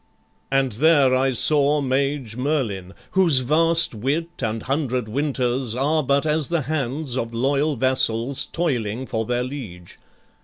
"And there I saw mage Merlin, whose vast wit And hundred winters are but as the hands Of loyal vassals toiling for their liege.